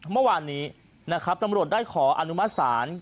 เมื่อวานนี้นะครับตำรวจได้ขออนุมัติศาล